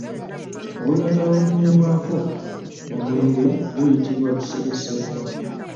Olulagala olunywerwako omwenge luyitibwa lusereseeto.